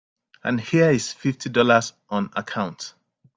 And here's fifty dollars on account.